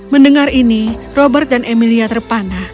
mendengar ini robert dan emilia terpanah